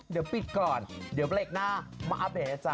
เดี๋ยวปิดก่อนเดี๋ยวเบรกหน้ามาอัปเดตจ๊